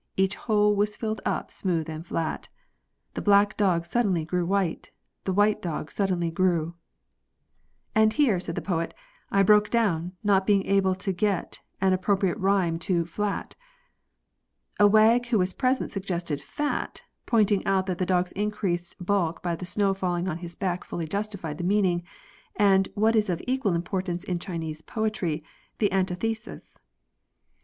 Each hole was filled up smooth and flat : The black dog suddenly grew white, The white dog suddenly grew " And here," said the poet, '' I broke down, not being able to get an appropriate rhyme to jiatr A wag who was present suggested /a/, pointing out that the dog's increased bulk by the snow falling on his back fully justified the meaning, and, what is of equal im portance in Chinese poetry, the antithesis.